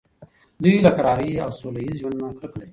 دوی له کرارۍ او سوله ایز ژوند نه کرکه لري.